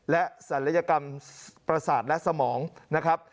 และศัลยกรรมประสาทและสมองนะครับ